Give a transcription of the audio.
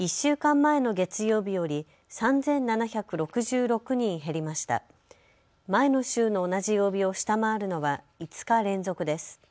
前の週の同じ曜日を下回るのは５日連続です。